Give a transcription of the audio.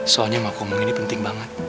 soalnya emang aku omongin ini penting banget